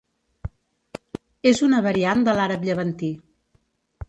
És una variant de l'àrab llevantí.